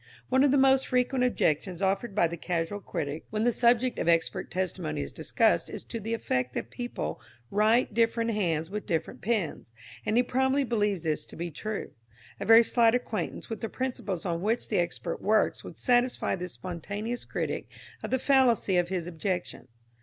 _ One of the most frequent objections offered by the casual critic when the subject of expert testimony is discussed is to the effect that people write different hands with different pens, and he probably believes this to be true. A very slight acquaintance with the principles on which the expert works would satisfy this spontaneous critic of the fallacy of his objection.